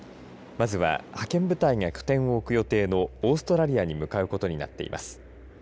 まずは派遣部隊が拠点を置く予定のオーストラリアに向かうことになっています。